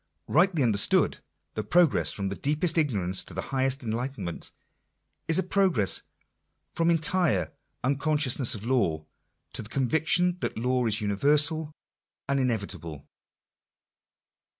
Rightly understood, the progress from deepest ignorance to highest enlightenment, is a progress from entire unconscious ness of law, to the conviction that law is universal and inevit able.